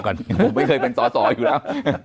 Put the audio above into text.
ผมไม่เคยเป็นสอสออยู่แล้ว